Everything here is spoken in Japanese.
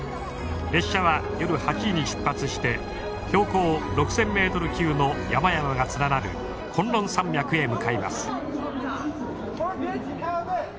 列車は夜８時に出発して標高６，０００ｍ級の山々が連なる崑崙山脈へ向かいます。